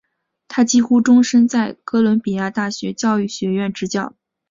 他几乎终生在哥伦比亚大学教育学院执教。